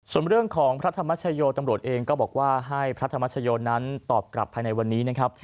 ส่วนเรื่องของพระธรรมชโยตำรวจเองก็บอกว่าให้พระธรรมชโยนั้นตอบกลับภายในวันนี้นะครับ